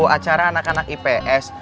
acara anak anak ips